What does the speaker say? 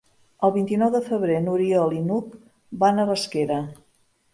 El vint-i-nou de febrer n'Oriol i n'Hug van a Rasquera.